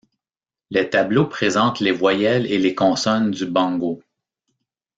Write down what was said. Les tableaux présentent les voyelles et les consonnes du bongo.